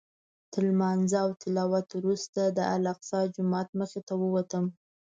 تر لمانځه او تلاوت وروسته د الاقصی جومات مخې ته ووتم.